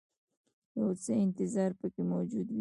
یو څه انتظار پکې موجود وي.